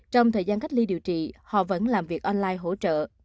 trong thời gian cách ly điều trị họ vẫn làm việc online hỗ trợ